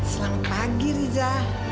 selamat pagi riza